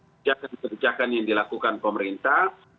kebijakan kebijakan yang dilakukan pemerintah